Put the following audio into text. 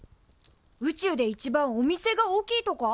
宇宙で一番お店が大きいとか？